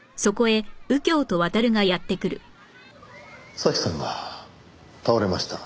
咲さんが倒れました。